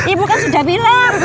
ibu kan sudah bilang